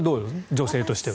女性としては。